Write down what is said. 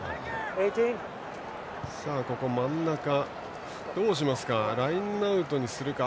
ここは真ん中、どうしますか。